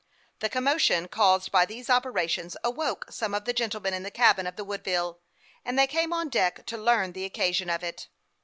The commotion caused by these operations awoke some of the gentlemen in the cabin of the Woodville, and they came on deck to learn the occasion of it.